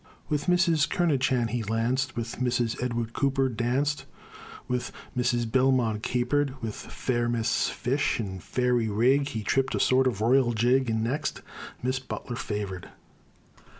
With Mrs. Kernochan he "lanced," With Mrs. Edward Cooper danced, With Mrs. Belmont capered; With fair Miss Fish, in fairy rig, He tripped a sort of royal jig, And next Miss Butler favored.